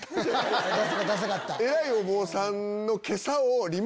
偉いお坊さんの。